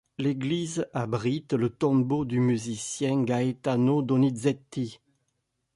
L'église abrite le tombeau du musicien Gaetano Donizetti.